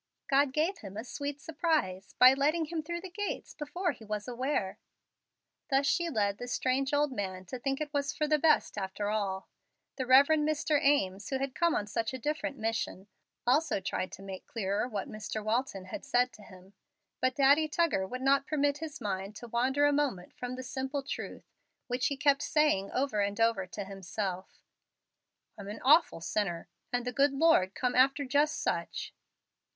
"God gave him a sweet surprise, by letting him through the gates before he was aware." Thus she led the strange old man to think it was for the best after all. The Rev. Mr. Ames, who had come on such a different mission, also tried to make clearer what Mr. Walton had said to him. But Daddy Tuggar would not permit his mind to wander a moment from the simple truth, which he kept saying over and over to himself, "I'm an awful sinner, and the good Lord come after just such."